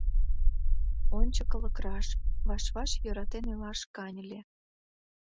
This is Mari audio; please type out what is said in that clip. Ончыкылык раш: ваш-ваш йӧратен илаш каньыле.